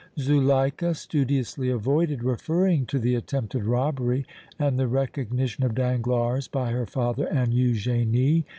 Zuleika studiously avoided referring to the attempted robbery and the recognition of Danglars by her father and Eugénie.